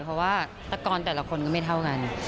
เพราะว่าตะกอนแต่ละคนก็ไม่เท่ากัน